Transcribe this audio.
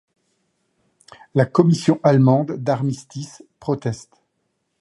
La Commission allemande d'armistice proteste.